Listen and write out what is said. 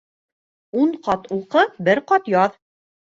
Ун ҡат уҡы, бер ҡат яҙ.